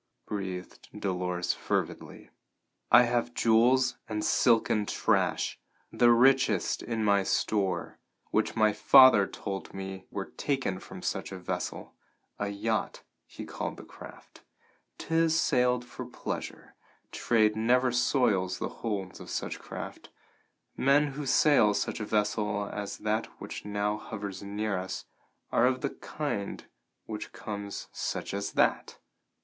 breathed Dolores fervidly. "I have jewels and silken trash, the richest in my store, which my father told me were taken from such a vessel. A yacht, he called that craft. 'Tis sailed for pleasure; trade never soils the holds of such craft; men who sail such a vessel as that which now hovers near us are of the kind from which comes such as that!"